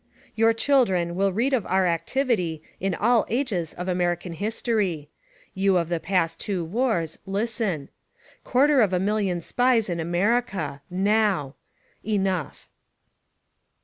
Your children will read of our activity in all ages of American history. You of the past two wars, listen: "Quarter of a million Spies in America — NOW. Enough!